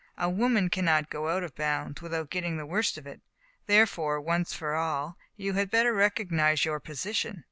A woman cannot go out of bounds, without getting the worst of it. There fore, once for all, you had better recognize your position.